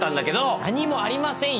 何もありませんよ！